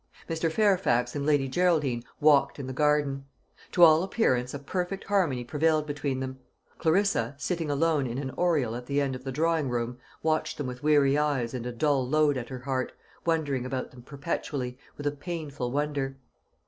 Mr. Fairfax and Lady Geraldine walked in the garden. To all appearance, a perfect harmony prevailed between them. Clarissa, sitting alone in an oriel at the end of the drawing room, watched them with weary eyes and a dull load at her heart, wondering about them perpetually, with a painful wonder.